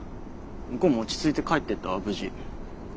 向こうも落ち着いて帰ってったわ無事。